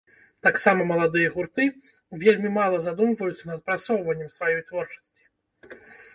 Таксама маладыя гурты вельмі мала задумваюцца над прасоўваннем сваёй творчасці.